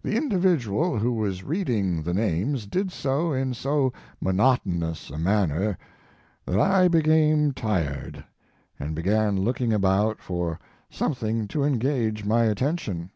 The individual who was reading the names did so in so monotonous a manner that I became tired, and began looking about for something to engage my attention.